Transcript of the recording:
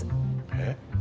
えっ？